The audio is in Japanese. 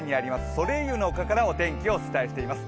ソレイユの丘からお天気をお伝えしています。